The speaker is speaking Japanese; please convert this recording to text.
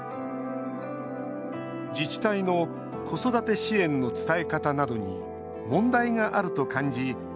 自治体の子育て支援の伝え方などに問題があると感じ